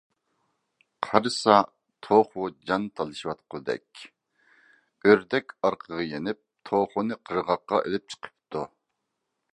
قارىسا، توخۇ جان تالىشىۋاتقۇدەك. ئۆردەك ئارقىغا يېنىپ، توخۇنى قىرغاققا ئېلىپ چىقىپتۇ.